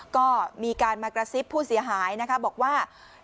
ก็มีการมากระซิบผู้เสียหายนะคะบอกว่า